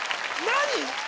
何？